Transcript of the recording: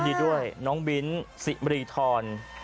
ดีด้วยน้องบิ้นสิมรีธร